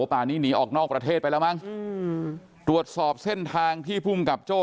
ป่านี้หนีออกนอกประเทศไปแล้วมั้งอืมตรวจสอบเส้นทางที่ภูมิกับโจ้